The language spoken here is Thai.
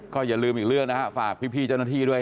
ก็อย่าลืมอีกเรื่องนะฮะฝากพี่เจ้าหน้าที่ด้วย